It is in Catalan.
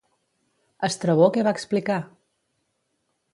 Estrabó què va explicar?